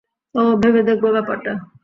ওহ, ভেবে দেখব ব্যাপারটা।